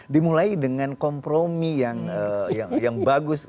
dimulai dengan kompromi yang bagus